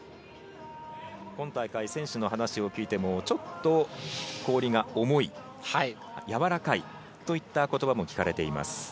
今大会選手の話を聞いてもちょっと氷が重いやわらかいといった言葉も聞かれています。